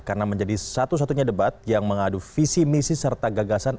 karena menjadi satu satunya debat yang mengadu visi misi serta gagasan